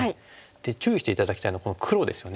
注意して頂きたいのはこの黒ですよね。